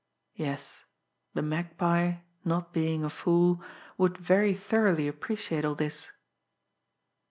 Yes; the Magpie, not being a fool, would very thoroughly appreciate all this.